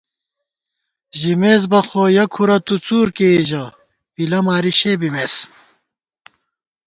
ژِمېس بہ خو یَہ کھُرہ تُو څُور کېئی ژَہ پِلہ ماری شے بِمېس